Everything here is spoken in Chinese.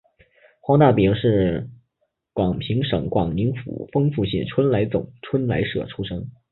黄大秉是广平省广宁府丰富县春来总春来社出生。